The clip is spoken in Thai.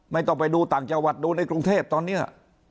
ไม่ต้องไปดูต่างจังหวัดดูในกรุงเทพตอนนี้